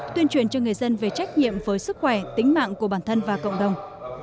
tuyên truyền cho người dân về trách nhiệm với sức khỏe tính mạng của bản thân và cộng đồng